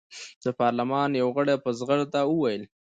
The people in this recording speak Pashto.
د پارلمان یوه غړي په زغرده وویل.